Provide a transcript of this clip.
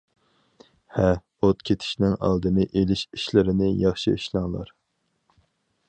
ھە ئوت كېتىشىنىڭ ئالدىنى ئېلىش ئىشلىرىنى ياخشى ئىشلەڭلار.